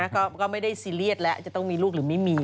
ก็ไม่ได้ซีเรียสแล้วจะต้องมีลูกหรือไม่มี